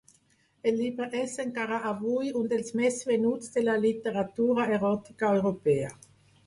El llibre és, encara avui, un dels més venuts de la literatura eròtica europea.